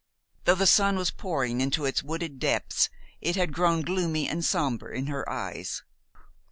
Though the sun was pouring into its wooded depths, it had grown gloomy and somber in her eyes.